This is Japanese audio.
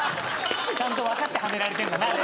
ちゃんと分かってはめられてんだねあれ。